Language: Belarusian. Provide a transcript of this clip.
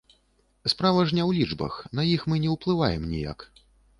Справа ж не ў лічбах, на іх мы не ўплываем ніяк.